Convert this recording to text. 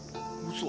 嘘。